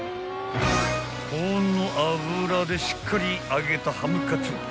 ［高温の油でしっかり揚げたハムカツ］